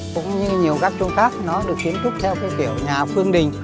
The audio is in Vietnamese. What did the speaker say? cũng như nhiều gác chu khác nó được kiến trúc theo cái kiểu nhà phương đình